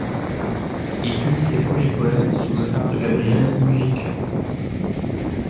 Il publie ses premiers poèmes, sous le nom de Gabriel Múgica.